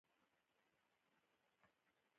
غوړ یې د ګوتو په منځ کې په لاس را روان وو.